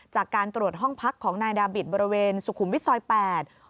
จากการตรวจห้องพักของนายดาบิตบริเวณสุขุมวิทย์ซอยแปด